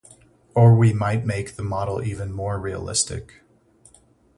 Or we might make the model even more realistic.